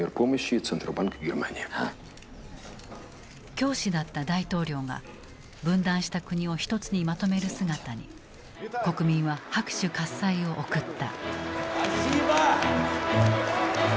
教師だった大統領が分断した国を一つにまとめる姿に国民は拍手喝采を送った。